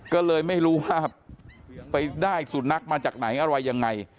ก็เลยไม่รู้ว่าไปได้สุนัขมาจากไหนอะไรยังไง